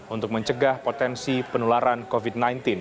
untuk mencegah potensi penularan covid sembilan belas